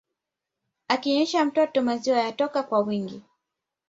Akinyonyesha mtoto maziwa yatoke kwa wingi